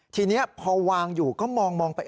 ทีนี้พอวางอยู่ก็มองไป